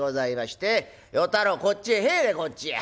「与太郎こっちへ入れこっちへ」。